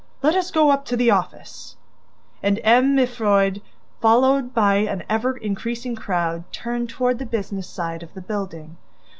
Let us go up to the office!" And M. Mifroid, followed by an ever increasing crowd, turned toward the business side of the building.